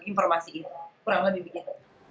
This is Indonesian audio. informasi itu kurang lebih begitu